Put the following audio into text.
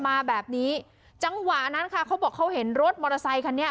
มาแบบนี้จังหวะนั้นค่ะเขาบอกเขาเห็นรถมอเตอร์ไซคันนี้